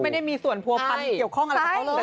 ไม่ได้มีส่วนผัวพันธ์เกี่ยวข้องอะไรกับเขาเลย